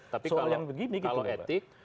tapi kalau etik